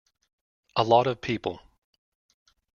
A lot of people.